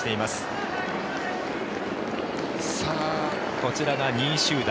こちらが２位集団。